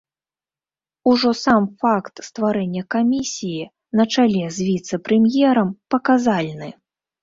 Ужо сам факт стварэння камісіі на чале з віцэ-прэм'ерам паказальны.